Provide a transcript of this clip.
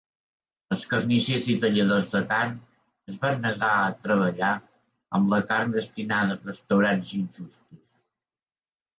Els carnissers i talladors de carn es van negar a treballar amb la carn destinada a restaurants injustos.